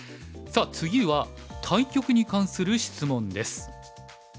さあ次は対局に関する質問です。